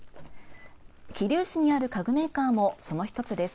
桐生市にある家具メーカーもその１つです。